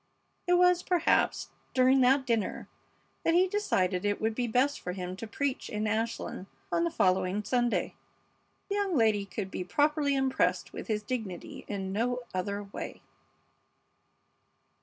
It was, perhaps, during that dinner that he decided it would be best for him to preach in Ashland on the following Sunday. The young lady could be properly impressed with his dignity in no other way.